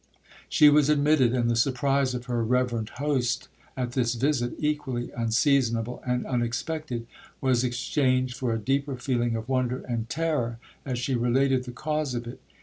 She was admitted,—and the surprise of her reverend host at this visit, equally unseasonable and unexpected, was exchanged for a deeper feeling of wonder and terror as she related the cause of it.